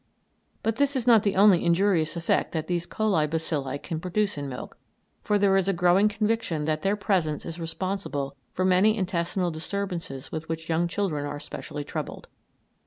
But this is not the only injurious effect which these Coli bacilli can produce in milk, for there is a growing conviction that their presence is responsible for many intestinal disturbances with which young children are specially troubled.